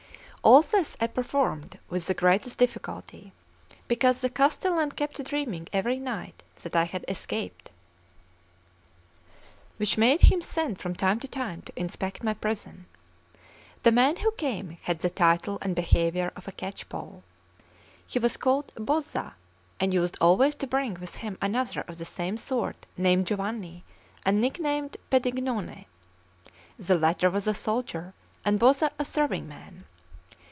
All this I performed with the greatest difficulty, because the castellan kept dreaming every night that I had escaped, which made him send from time to time to inspect my prison. The man who came had the title and behaviour of a catch poll. He was called Bozza, and used always to bring with him another of the same sort, named Giovanni and nicknamed Pedignone; the latter was a soldier, and Bozza a serving man.